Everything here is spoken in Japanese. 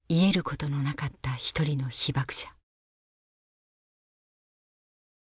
ことのなかった一人の被爆者。